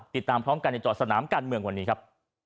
ติดตามพร้อมกันในจอดสนามการเมืองวันนี้ครับ